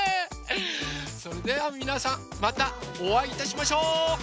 それではみなさんまたおあいいたしましょう！